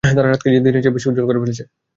তারা রাতকে দিনের চেয়ে উজ্জ্বল করে ফেলেছে।